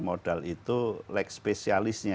modal itu like spesialisnya